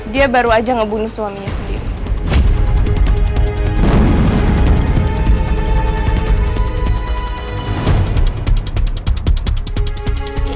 dia baru aja ngebunuh suaminya sendiri